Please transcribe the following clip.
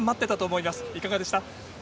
いかがでしたか？